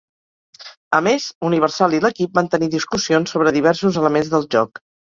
A més, Universal i l'equip van tenir discussions sobre diversos elements del joc.